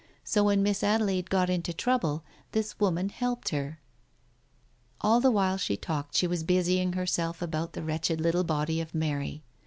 So when Miss Adelaide got into trouble, this woman helped her. ..." All the while she talked, she was busying herself about the wretched little body of Mary.